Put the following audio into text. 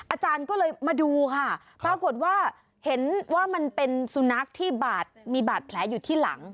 อาจารย์ก็เลยมาดูค่ะปรากฏว่าเห็นว่ามันเป็นสุนัขที่บาดมีบาดแผลอยู่ที่หลัง